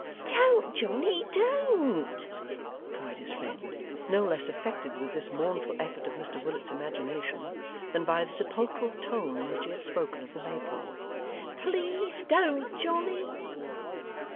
'Don't, Johnny, don't,' cried his friend: no less affected with this mournful effort of Mr Willet's imagination, than by the sepulchral tone in which he had spoken of the Maypole. 'Please don't, Johnny!